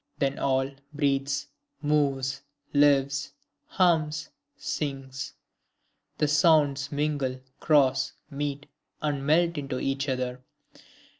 Then all breathes, moves, lives, hums, sings; the sounds mingle, cross, meet, and melt into each other.